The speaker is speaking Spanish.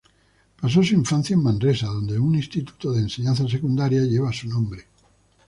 Pasó su infancia en Manresa, donde un instituto de enseñanza secundaria lleva su nombre.